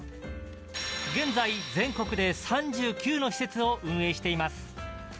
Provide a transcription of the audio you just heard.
現在、全国で３９の施設を運営しています。